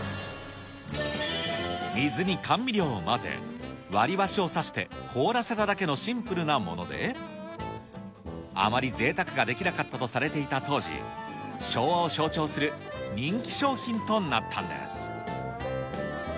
水に甘味料を混ぜ、割り箸をさして凍らせただけのシンプルなもので、あまりぜいたくができなかったとされていた当時、昭和を象徴する人気商品となったんです。